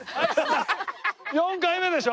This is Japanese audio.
４回目でしょ。